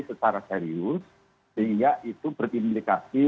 secara serius sehingga itu berimplikasi